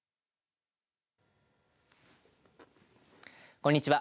こんにちは。